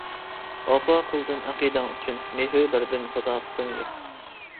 ۋاپا قىلدىم ئەقىدەڭ ئۈچۈن، مېھىر بەردىم ساداقىتىڭگە.